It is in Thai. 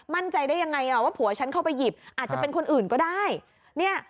มั่นใจได้ยังไงอ่ะว่าผัวฉันเข้าไปหยิบอาจจะเป็นคนอื่นก็ได้เนี่ย